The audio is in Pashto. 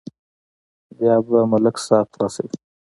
بیا به ملک صاحب خلاصوي.